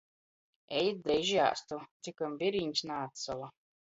Ejit dreiži āstu, cikom virīņs naatsola!